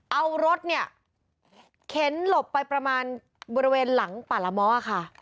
เอารถเนี่ยเข็นหลบไปประมาณบริเวณหลังป่าละม้อค่ะ